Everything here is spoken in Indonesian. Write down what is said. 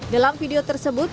dalam video tersebut